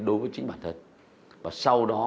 đối với chính bản thân và sau đó